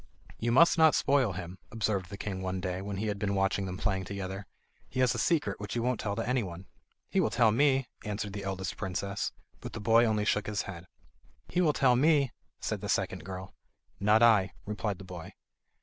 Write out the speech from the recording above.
"You must not spoil him," observed the king one day, when he had been watching them playing together. He has a secret which he won't tell to anyone." "He will tell me," answered the eldest princess; but the boy only shook his head. "He will tell me," said the second girl. "Not I," replied the boy.